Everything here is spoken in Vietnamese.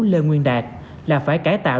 lê nguyên đạt là phải cải tạo